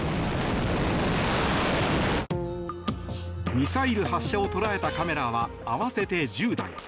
ミサイル発射を捉えたカメラは合わせて１０台。